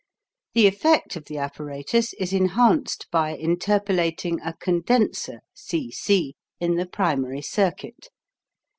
The effect of the apparatus is enhanced by interpolating a "condenser" C C in the primary circuit.